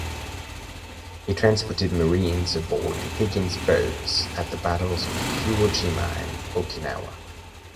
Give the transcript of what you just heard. He transported Marines aboard Higgins boats at the battles of Iwo Jima and Okinawa.